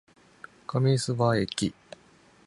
上諏訪駅